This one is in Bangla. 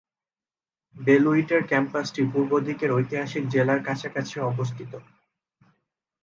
বেলুইটের ক্যাম্পাসটি পূর্ব দিকের ঐতিহাসিক জেলার কাছাকাছি অবস্থিত।